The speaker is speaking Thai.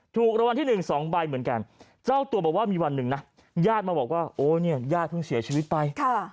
ถูกรางวัลที่๑๒ใบเหมือนกันเจ้าตัวบอกว่ามีวันหนึ่งนะญาติมาบอกว่าโอ้เนี่ยญาติเพิ่งเสียชีวิตไป